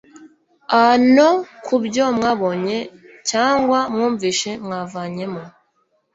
a no kubyo mwabonye cyangwa mwumvise mwavanyemo